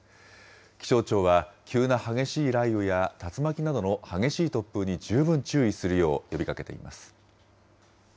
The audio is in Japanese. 気象庁は急な激しい雷雨や竜巻などの激しい突風に十分注意するよう呼びかけています。